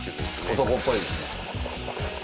男っぽいですね。